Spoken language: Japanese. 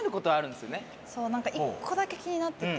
そう何か１個だけ気になってて。